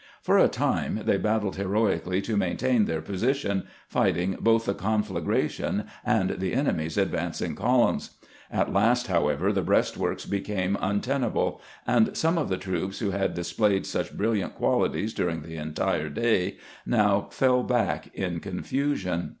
For a time they battled heroically to maintain their position, fighting both the conflagra tion and the enemy's advancing columns. At last, how ever, the breastworks became untenable, and some of the troops who had displayed such brilliant qualities during the entire day now fell back in confusion.